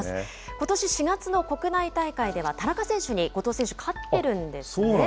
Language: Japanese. ことし４月の国内大会では、田中選手に後藤選手、勝ってるんですね。